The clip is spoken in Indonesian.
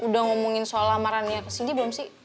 udah ngomongin soal lamarannya ke sindi belum sih